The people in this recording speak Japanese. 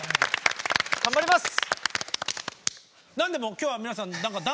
頑張ります。